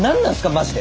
マジで。